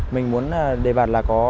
mình muốn đề bạt là có